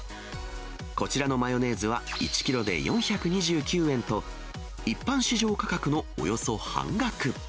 こちらのマヨネーズは１キロで４２９円と、一般市場価格のおよそ半額。